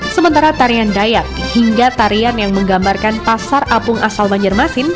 sementara tarian dayak hingga tarian yang menggambarkan pasar apung asal banjarmasin